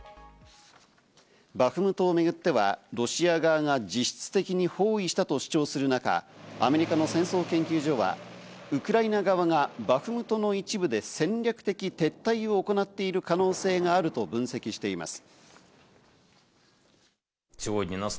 バフムトをめぐっては、ロシア側が実質的に包囲したと主張する中、アメリカの戦争研究所はウクライナ側がバフムトの一部で戦略的撤退を行っている可能性があると分析しています。